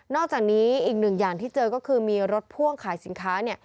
อกจากนี้อีกหนึ่งอย่างที่เจอก็คือมีรถพ่วงขายสินค้าเนี่ย